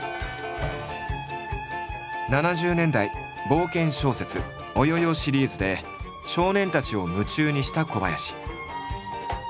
７０年代冒険小説「オヨヨ」シリーズで少年たちを夢中にした小林。